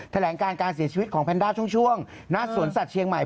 แถลงการการเสียชีวิตของแพนด้าช่วงณสวนสัตว์เชียงใหม่